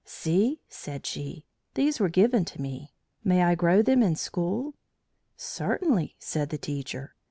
"See!" said she. "These were given to me. May I grow them in school?" "Certainly," said the teacher.